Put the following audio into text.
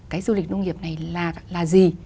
cái du lịch nông nghiệp này là gì